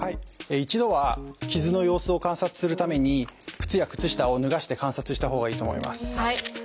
一度は傷の様子を観察するために靴や靴下を脱がして観察したほうがいいと思います。